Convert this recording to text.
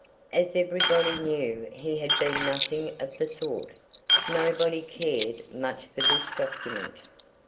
As everybody knew he had been nothing of the sort, nobody cared much for this document.